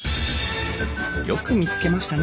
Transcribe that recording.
「よく見つけましたね！